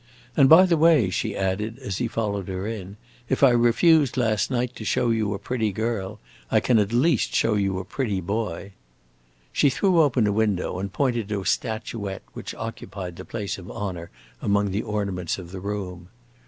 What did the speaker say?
"And by the way," she added as he followed her in, "if I refused last night to show you a pretty girl, I can at least show you a pretty boy." She threw open a window and pointed to a statuette which occupied the place of honor among the ornaments of the room.